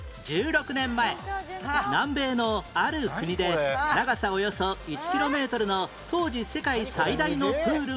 １６年前南米のある国で長さおよそ１キロメートルの当時世界最大のプールがオープン